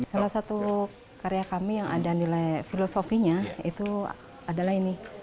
salah satu karya kami yang ada nilai filosofinya itu adalah ini